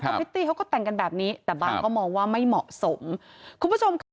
พริตตี้เขาก็แต่งกันแบบนี้แต่บางก็มองว่าไม่เหมาะสมคุณผู้ชมค่ะ